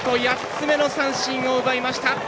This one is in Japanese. ８つ目の三振を奪いました。